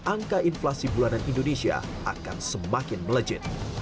angka inflasi bulanan indonesia akan semakin melejit